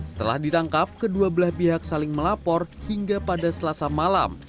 setelah ditangkap kedua belah pihak saling melapor hingga pada selasa malam